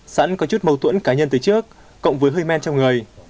sẵn có chút mâu thuẫn cá nhân từ trước cộng với hơi men trong người